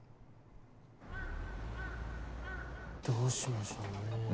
どうしましょうね。